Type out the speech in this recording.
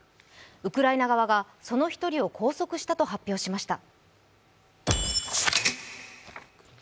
ウクライナ側がその１人を拘束したと発表しました。